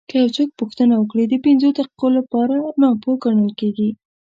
که یو څوک پوښتنه وکړي د پنځو دقیقو لپاره ناپوه ګڼل کېږي.